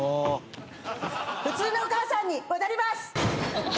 普通のお母さんに戻ります！